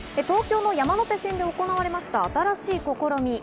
東京の山手線で行われた新しい試み。